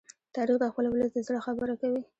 تاریخ د خپل ولس د زړه خبره کوي.